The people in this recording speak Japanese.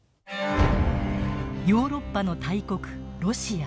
ヨーロッパの大国ロシア。